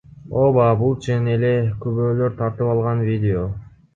Ооба, бул чын эле күбөлөр тартып алган видео.